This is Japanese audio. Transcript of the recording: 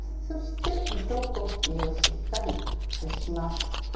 そして糸こきをしっかりします。